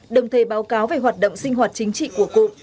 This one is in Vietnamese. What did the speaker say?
đồng thời báo cáo về hoạt động sinh hoạt chính trị của cụ